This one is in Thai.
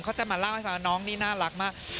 เขาจะมาเล่าให้ฟังว่าน้องนี่น่ารักมาก